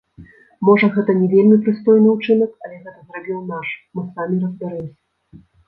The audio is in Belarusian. Можа, гэта не вельмі прыстойны ўчынак, але гэта зрабіў наш, мы самі разбярэмся.